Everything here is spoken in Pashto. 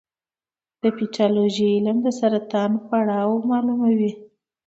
د پیتالوژي علم د سرطان پړاو معلوموي.